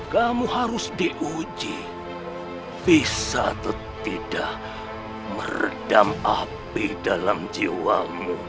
kamu harus diuji bisa atau tidak meredam api dalam jiwamu